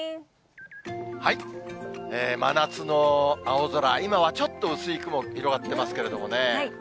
真夏の青空、今はちょっと薄い雲、広がっていますけれどもね。